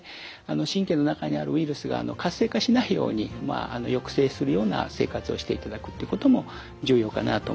神経の中にあるウイルスが活性化しないように抑制するような生活をしていただくということも重要かなと思います。